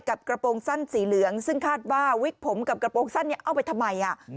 กระโปรงสั้นสีเหลืองซึ่งคาดว่าวิกผมกับกระโปรงสั้นเนี่ยเอาไปทำไม